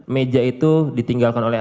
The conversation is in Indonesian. meja itu ditinggalkan oleh